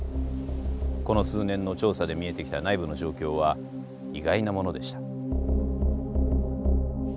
この数年の調査で見えてきた内部の状況は意外なものでした。